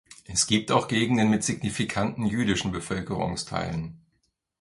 Es gibt auch Gegenden mit signifikanten jüdischen Bevölkerungsteilen.